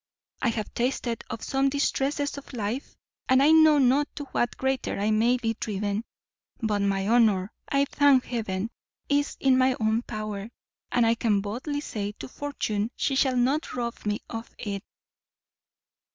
I have tasted of some distresses of life, and I know not to what greater I may be driven, but my honour, I thank Heaven, is in my own power, and I can boldly say to Fortune she shall not rob me of it."